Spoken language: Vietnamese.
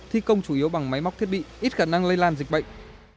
thi công chủ yếu bằng máy móc thiết bị ít khả năng lây lan dịch bệnh